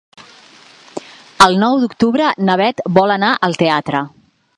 El nou d'octubre na Bet vol anar al teatre.